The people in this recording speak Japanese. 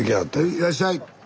いらっしゃい！